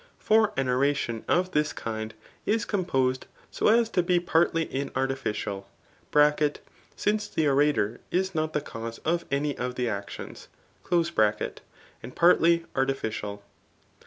For an oration of this kind is composed, so as to be partly inartificial (since the orator is not the cause of any of the actions,) and partly artificial.